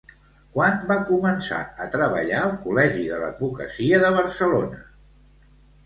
Quan va començar a treballar al Col·legi de l'Advocacia de Barcelona?